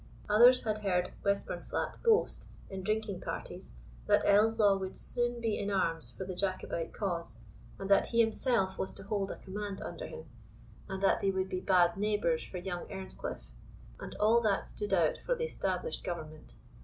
Others had heard Westburnflat boast, in drinking parties, that Ellieslaw would soon be in arms for the Jacobite cause, and that he himself was to hold a command under him, and that they would be bad neighbours for young Earnscliff; and all that stood out for the established government.